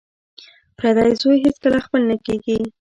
پردی زوی هېڅکله خپل نه کیږي